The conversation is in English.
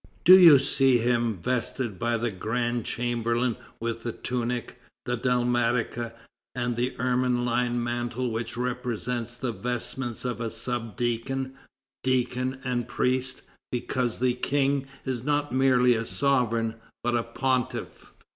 Do you see him vested by the grand chamberlain with the tunic, the dalmatica, and the ermine lined mantle which represent the vestments of a sub deacon, deacon, and priest, because the King is not merely a sovereign, but a pontiff?